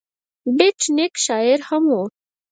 بېټ نیکه شاعر هم و.